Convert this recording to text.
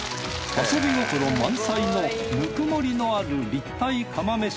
遊び心満載のぬくもりのある立体釜飯